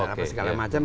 dan apa segala macam